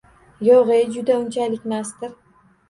— Yo’g’ey, juda unchalikmasdir.